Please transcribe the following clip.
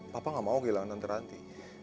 papa gak mau kehilangan tante ranti